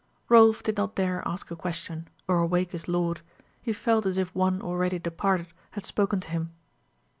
Rolf did not dare ask a question, or awake his lord; he felt as if one already departed had spoken to him.